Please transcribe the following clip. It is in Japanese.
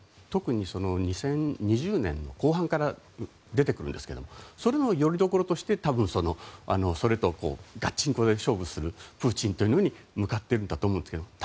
特に２０２０年の後半から出てくるんですがそれのよりどころとして多分、それとガチンコで勝負するプーチンに向かってるんだと思うんですけど。